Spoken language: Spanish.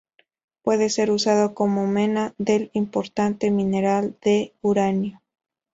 Puede ser usado como mena del importante mineral de uranio.